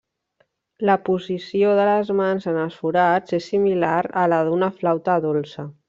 La posició de les mans en els forats és similar a la d'una flauta dolça.